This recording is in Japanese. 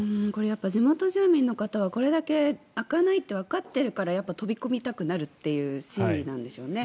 地元住民の方はこれだけ開かないとわかっているからやっぱり飛び込みたくなるという心理なんでしょうね。